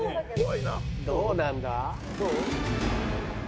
どうなんだ？